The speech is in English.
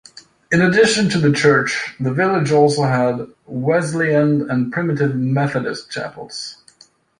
In addition to the church the village also had Wesleyan and Primitive Methodist chapels.